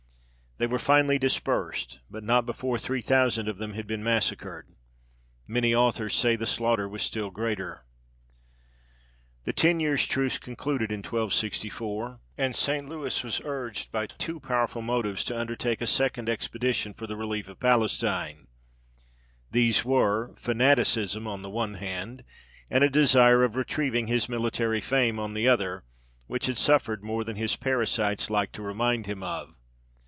They were finally dispersed, but not before three thousand of them had been massacred. Many authors say that the slaughter was still greater. Elémens de l'Histoire de France. The ten years' truce concluded in 1264, and St. Louis was urged by two powerful motives to undertake a second expedition for the relief of Palestine. These were, fanaticism on the one hand, and a desire of retrieving his military fame on the other, which had suffered more than his parasites liked to remind him of.